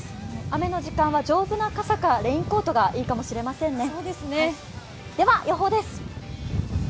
雨の時間は、丈夫な傘かレインコートがいいかもしれませんね。